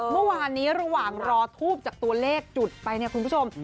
เมื่อวานนี้ระหว่างรอทูบจากตัวเลขจุดไปเนี่ยคุณผู้ชม